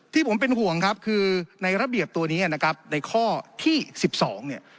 ที่ผมเป็นห่วงครับคือในระเบียบตัวนี้นะครับในข้อที่๑๒เนี่ย